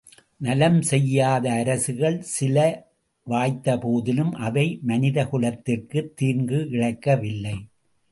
நலம் செய்யாத அரசுகள் சில வாய்த்தபோதிலும் அவை மனிதகுலத்திற்குத் தீங்கு இழைக்கவில்லை.